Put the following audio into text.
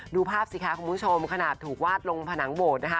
ดูภาพสิทธิ์ค้าของผู้ชมขนาดถูกวาดลงผนังโบสถ์